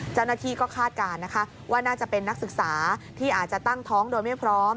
เจ้าหน้าที่ก็คาดการณ์นะคะว่าน่าจะเป็นนักศึกษาที่อาจจะตั้งท้องโดยไม่พร้อม